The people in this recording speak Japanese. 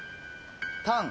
タン。